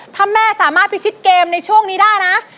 ถ้าแม่สามารถพิชิตเกมในช่วงนี้ได้นะ